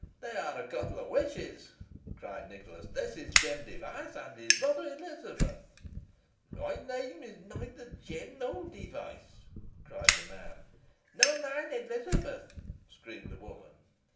"They are a couple of witches," cried Nicholas; "this is Jem Device and his mother Elizabeth." "My name is nother Jem nor Device," cried the man. "Nor mine Elizabeth," screamed the woman.